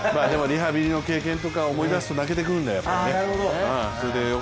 リハビリの経験とかを思い出すと泣けてくるんだよ。